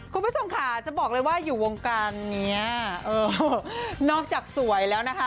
คุณผู้ชมค่ะจะบอกเลยว่าอยู่วงการเนี้ยเออนอกจากสวยแล้วนะคะ